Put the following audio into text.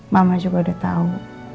mama juga udah tau